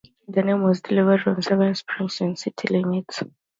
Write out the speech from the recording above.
The name was derived from the seven springs in the city limits.